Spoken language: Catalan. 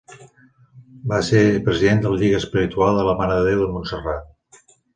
Va ser president de la Lliga Espiritual de la Mare de Déu de Montserrat.